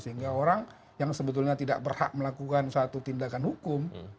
sehingga orang yang sebetulnya tidak berhak melakukan satu tindakan hukum